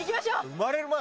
生まれる前。